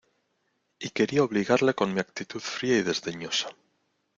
y quería obligarle con mi actitud fría y desdeñosa.